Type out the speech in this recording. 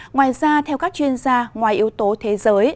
ngoài ra theo các chuyên gia ngoài yếu tố thế giới